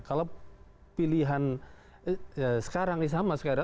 kalau pilihan sekarang sama sekali